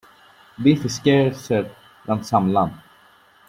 Beef is scarcer than some lamb.